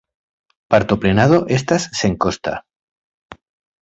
Patroprenado estas senkosta.